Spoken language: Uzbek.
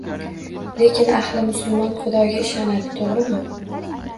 Lekin ahli musulmon xudoga ishonadi, to‘g‘rimi?